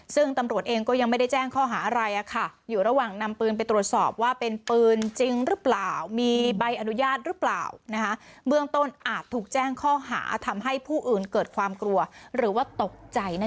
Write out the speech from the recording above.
ซึ่งตำรวจเองก็ยังไม่ได้แจ้งข้อหาอะไร